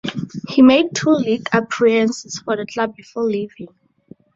He made two league appearances for the club before leaving.